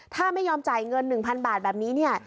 ถ้าไม่ยอมจ่ายเงิน๑๐๐๐บาทแบบนี้เนี่ย